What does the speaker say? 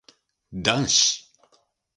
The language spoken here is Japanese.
男子